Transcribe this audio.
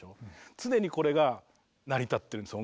常にこれが成り立ってるんですよ